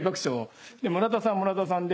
村田さんは村田さんで。